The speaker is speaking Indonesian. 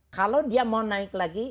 kalau dia mau naik lagi